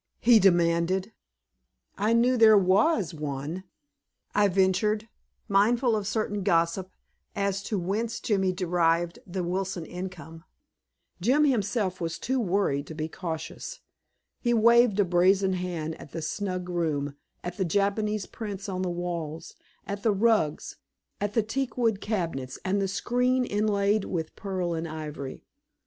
he demanded. "I knew there WAS one," I ventured, mindful of certain gossip as to whence Jimmy derived the Wilson income. Jim himself was too worried to be cautious. He waved a brazen hand at the snug room, at the Japanese prints on the walls, at the rugs, at the teakwood cabinets and the screen inlaid with pearl and ivory.